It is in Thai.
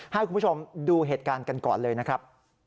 ให้คุณผู้ชมดูเหตุการณ์กันก่อนเลยนะครับ